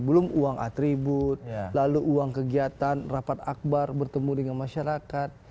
belum uang atribut lalu uang kegiatan rapat akbar bertemu dengan masyarakat